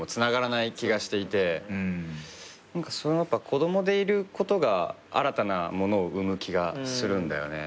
子供でいることが新たなものを生む気がするんだよね。